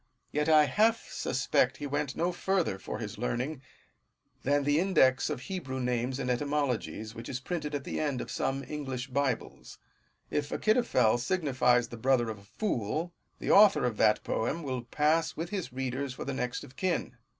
Yet I half suspect he went no further for his learning, than the index of Hebrew names and etymologies, which is priuted at the end of some English Bibles. If Achitophel signifies the brother of a fool, the author of that poem will pass with his readers for the next of kin.